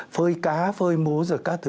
phơi cá phơi múi rồi các thứ